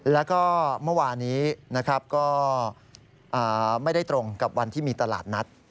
แล้วก็เมื่อวานี้นะครับก็ไม่ได้ตรงกับวันที่มีตลาดนัด